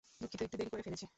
দুঃখিত, একটু দেরী করে ফেলেছি।